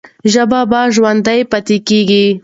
ژبه به ژوندۍ پاتې کېږي.